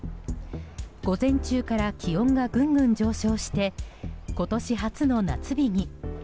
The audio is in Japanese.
午前中から気温がぐんぐん上昇して今年初の夏日に。